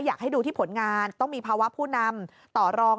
อยากให้ดูที่ผลงานต้องมีภาวะผู้นำต่อรอง